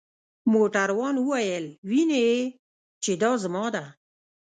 موټروان وویل: وینې يې؟ چې دا زما ده.